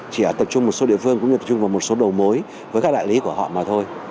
chỉ tập trung một số địa phương cũng như tập trung vào một số đầu mối với các đại lý của họ mà thôi